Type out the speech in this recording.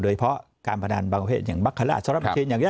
โดยเฉพาะการพนันบางประเภทอย่างบัคคาราชสำหรับเชนอย่างนี้